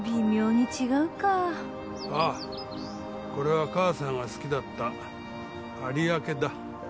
ああこれは母さんが好きだった有明だ。